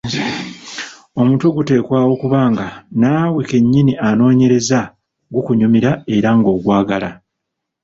Omutwe guteekwa okuba nga naawe kennyini anoonyereza gukunyumira era ng’ogwagala.